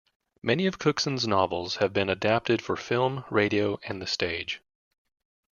Many of Cookson's novels have been adapted for film, radio, and the stage.